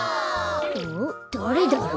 おっだれだろう？